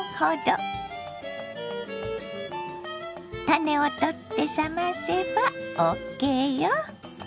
種を取って冷ませばＯＫよ。